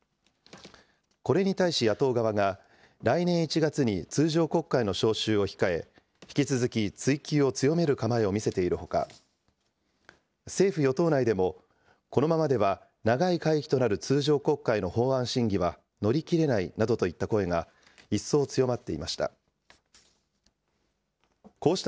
これに対し野党側が、来年１月に通常国会の召集を控え、引き続き追及を強める構えを見せているほか、政府・与党内でも、このままでは長い会期となる通常国会の法案審議は乗り切れないなどといった声が一層強まっていました。